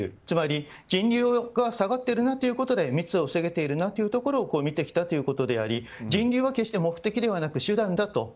つまり人流が下がっているなというところで密を防げているなということを見てきたということであり人流は決して目的ではなく手段だと。